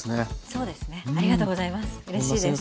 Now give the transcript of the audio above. そうですねありがとうございます。